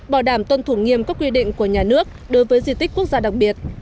bảo đảm tuân thủ nghiêm các quy định của nhà nước đối với di tích quốc gia đặc biệt